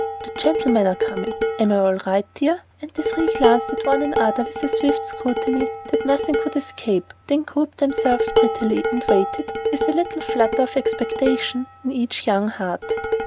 The gentlemen are coming! Am I all right, dear?" And the three glanced at one another with a swift scrutiny that nothing could escape, then grouped themselves prettily, and waited, with a little flutter of expectation in each young heart.